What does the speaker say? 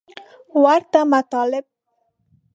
ورته مطالب